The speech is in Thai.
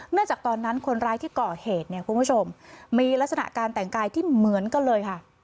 จากตอนนั้นคนร้ายที่ก่อเหตุเนี่ยคุณผู้ชมมีลักษณะการแต่งกายที่เหมือนกันเลยค่ะ